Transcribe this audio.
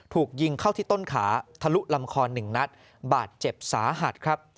ถูกยิงเข้าที่ต้นขาทะลุลำคอ๑นัดบาดเจ็บสาหัสครับ